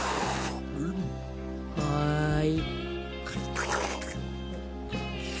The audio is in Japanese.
はい。